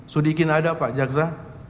sudikin ada pak jaksa